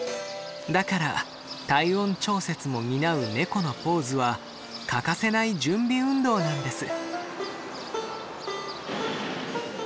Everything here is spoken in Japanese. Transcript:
だから体温調節も担うネコのポーズは欠かせない準備運動なんです。